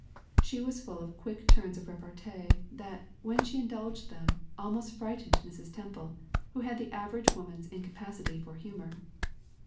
She was full of quick turns of repartee, that, when she indulged them, almost frightened Mrs. Temple, who had the average woman's incapacity for humor.